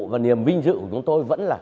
và niềm minh dự của chúng tôi vẫn là